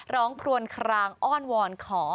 พรวนคลางอ้อนวอนขอ